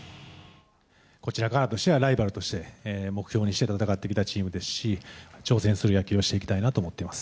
こちら側としてはライバルとして目標にして戦ってきたチームですし、挑戦する野球をしていきたいなと思っています。